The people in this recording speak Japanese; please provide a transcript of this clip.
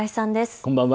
こんばんは。